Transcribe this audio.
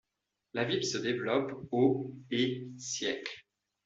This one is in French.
La ville se développe aux et siècle.